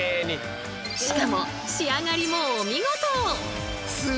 しかも仕上がりもお見事！